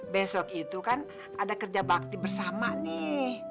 besok itu kan ada kerja bakti bersama nih